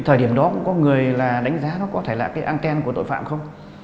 thời điểm đó cũng có người đánh giá nó có thể là cái anten của tội phạm không